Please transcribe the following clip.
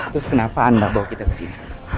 terus kenapa anda bawa kita kesini